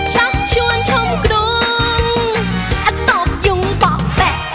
ชัดชวนชมกรุงอ่ะตบยุ่งบอกแบะ